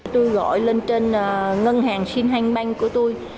tôi gọi lên trên ngân hàng xin hành banh của tôi